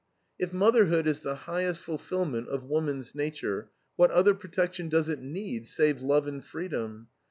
If motherhood is the highest fulfillment of woman's nature, what other protection does it need, save love and freedom?